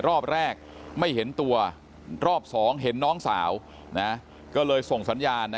รอบแรกไม่เห็นตัวรอบ๒เห็นน้องสาวก็เลยส่งสัญญาณ